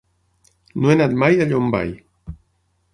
No he anat mai a Llombai.